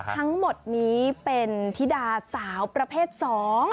ทั้งหมดนี้เป็นธิดาสาวประเภทสอง